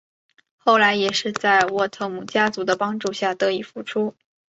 后来也是在沃特姆家族的帮助下得以复出。